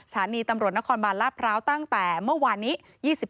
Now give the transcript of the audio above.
สถานีตำรวจนครบาลลาดพร้าวตั้งแต่เมื่อวานนี้